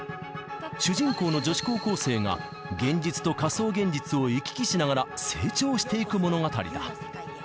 主人公の女子高校生が、現実と仮想現実を行き来しながら成長していく物語だ。